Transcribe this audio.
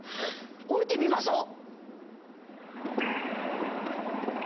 下りてみましょう！